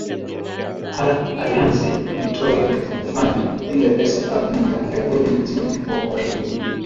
alliance walitoa ile fund ile pesa kwa ajili ya kurekodi zile nyimbo kwa hiyo